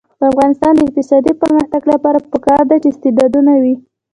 د افغانستان د اقتصادي پرمختګ لپاره پکار ده چې استعدادونه وي.